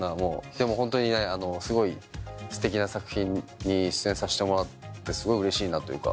でもホントにねすごい。に出演させてもらってすごいうれしいなというか。